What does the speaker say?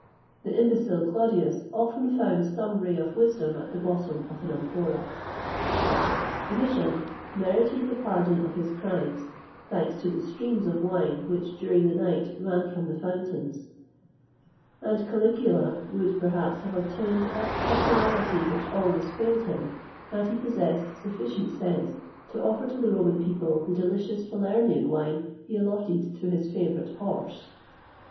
[XXII 144] The imbecile Claudius often found some ray of wisdom at the bottom of an amphora.[XXVIII 145] Domitian merited the pardon of his crimes, thanks to the streams of wine which during the night ran from the fountains;[XXVIII 146] and Caligula would, perhaps, have obtained that popularity which always failed him, had he possessed sufficient sense to offer to the Roman people the delicious Falernian wine he allotted to his favourite horse.